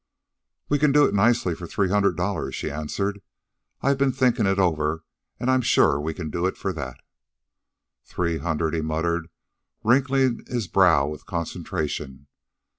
"We can do it nicely for three hundred dollars," she answered. "I've been thinking it over and I'm sure we can do it for that." "Three hundred," he muttered, wrinkling his brows with concentration.